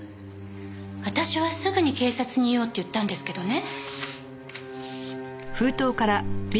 私はすぐに警察に言おうって言ったんですけどね。